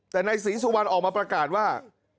แต่นายศรีสุวรรณออกมาประกาศว่า